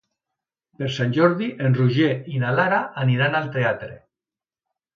Per Sant Jordi en Roger i na Lara aniran al teatre.